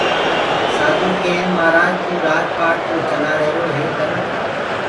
سآڌوٚ ڪين مهآرآج تو رآج پآٽ تو چلآهيروئي پر